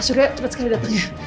pak surya cepat sekali datang ya